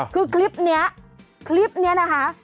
คือคลิปนี้คลิปนี้นะคะ